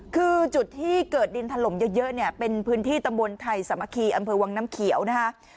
คือจุดที่เกิดดินถล่มเยอะเนี่ยเป็นพื้นที่ตำบลไทยสามัคคีอำเภอวังน้ำเขียวนะคะ